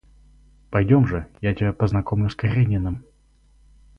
Пойдем же, я тебя познакомлю с Карениным.